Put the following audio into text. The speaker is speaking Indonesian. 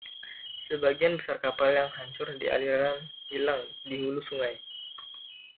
Sebagian besar kapal yang hancur di aliran hilang di hulu sungai.